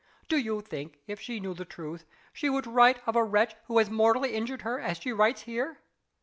Do you think, if she knew the truth, she would write of a wretch who has mortally injured her as she writes here?